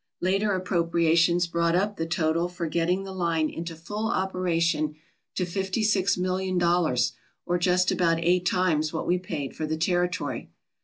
Later appropriations brought up the total for getting the line into full operation to fifty six million dollars, or just about eight times what we paid for the territory.